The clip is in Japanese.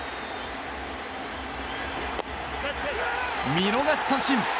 見逃し三振！